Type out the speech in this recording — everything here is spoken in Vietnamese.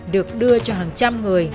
được đưa cho hàng trăm người